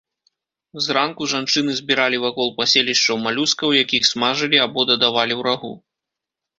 Зранку жанчыны збіралі вакол паселішчаў малюскаў, якіх смажылі, або дадавалі ў рагу.